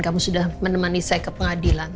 kamu sudah menemani saya ke pengadilan